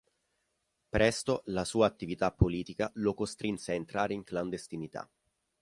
Presto la sua attività politica lo costrinse a entrare in clandestinità.